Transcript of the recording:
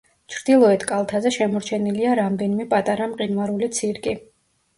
ჩრდილოეთ კალთაზე შემორჩენილია რამდენიმე პატარა მყინვარული ცირკი.